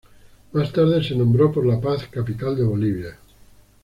Más tarde, se nombró por La Paz, capital de Bolivia.